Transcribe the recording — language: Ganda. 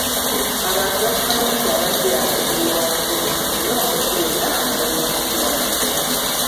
Abantu bakimanyi nti abadde agenda ewa Museveni era omuntu yenna asobola okukiraba.